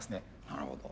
なるほど。